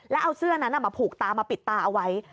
แล้วเอาเสื้อนั้นมาผูกตามาปิดตาเอาไว้